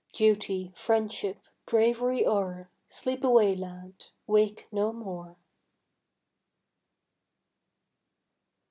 Duty, friendship, bravery o'er, Sleep away, lad; wake no more.